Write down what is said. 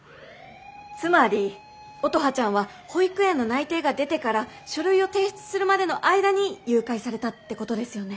つまり乙葉ちゃんは保育園の内定が出てから書類を提出するまでの間に誘拐されたってことですよね？